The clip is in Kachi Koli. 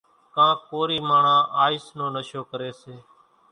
ڪانڪ ڪورِي ماڻۿان آئيس نو نشو ڪريَ سي۔